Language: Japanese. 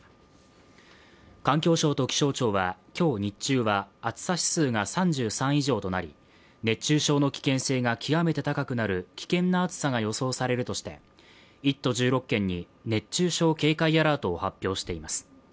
環境省と気象庁は今日日中は暑さ指数が３３以上となり熱中症の危険性が極めて高くなる危険な暑さが予想されるとして１都１６県に熱中症警戒アラートを発表しています。